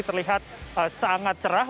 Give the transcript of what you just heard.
terlihat sangat cerah